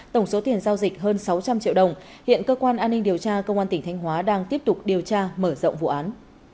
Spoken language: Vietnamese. tổng số tiền giao dịch hơn sáu trăm linh triệu đồng hiện cơ quan an ninh điều tra công an tỉnh thanh hóa đang tiếp tục điều tra mở rộng vụ án